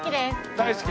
大好き？